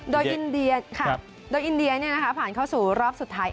โดยอินเดียผ่านเข้าสู่รอบสุดท้าย